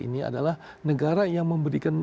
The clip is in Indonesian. ini adalah negara yang memberikan